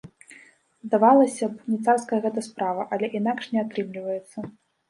Здавалася б, не царская гэта справа, але інакш не атрымліваецца.